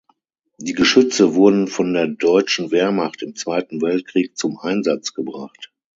Die Geschütze wurden von der deutschen Wehrmacht im Zweiten Weltkrieg zum Einsatz gebracht.